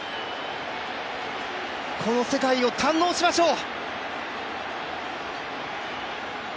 この世界を堪能しましょう。